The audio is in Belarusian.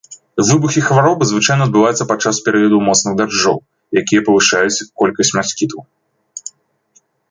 Выбухі хваробы звычайна адбываюцца падчас перыядаў моцных дажджоў, якія павышаюць колькасць маскітаў.